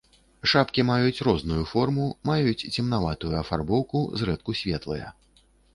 Шапкі маюць розную форму, маюць цемнаватую афарбоўку, зрэдку светлыя.